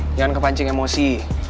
jangan kepancing emosi